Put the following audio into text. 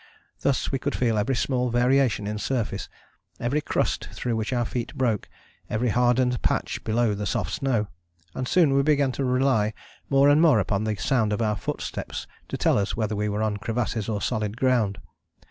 Thus we could feel every small variation in surface, every crust through which our feet broke, every hardened patch below the soft snow. And soon we began to rely more and more upon the sound of our footsteps to tell us whether we were on crevasses or solid ground.